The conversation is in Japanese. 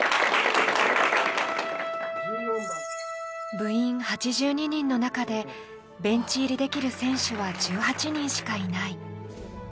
部員８２人の中で、ベンチ入りできる選手は１８人しかいない。